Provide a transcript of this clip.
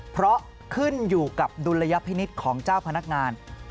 เพราะขึ้นอยู่กับดุลยพินิษฐ์ของเจ้าพนักงาน